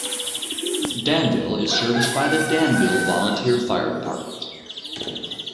Danville is serviced by the Danville Volunteer Fire Department.